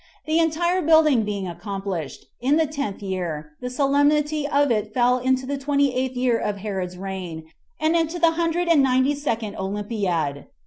The entire building being accomplished: in the tenth year, the solemnity of it fell into the twenty eighth year of Herod's reign, and into the hundred and ninety second olympiad.